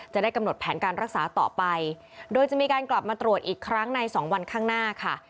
จะได้กำหนดแผนการรักษาต่อไปโดยจะมีการกลับมาตรวจอีกครั้งในสองวันข้างหน้าค่ะ